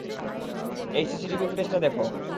এই সিসিটিভি ফুটেজটা দেখো।